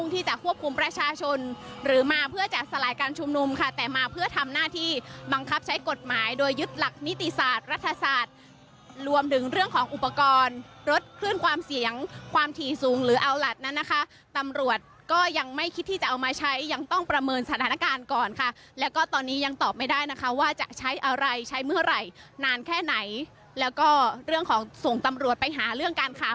ที่จะควบคุมประชาชนหรือมาเพื่อจะสลายการชุมนุมค่ะแต่มาเพื่อทำหน้าที่บังคับใช้กฎหมายโดยยึดหลักนิติศาสตร์รัฐศาสตร์รวมถึงเรื่องของอุปกรณ์รถคลื่นความเสียงความถี่สูงหรือเอาหลัดนั้นนะคะตำรวจก็ยังไม่คิดที่จะเอามาใช้ยังต้องประเมินสถานการณ์ก่อนค่ะแล้วก็ตอนนี้ยังตอบไม่ได้นะคะว่าจะใช้อะไรใช้เมื่อไหร่นานแค่ไหนแล้วก็เรื่องของส่งตำรวจไปหาเรื่องการขา